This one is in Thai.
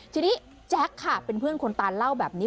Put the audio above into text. ทีนี้แจ๊คค่ะเป็นเพื่อนคนตานเล่าแบบนี้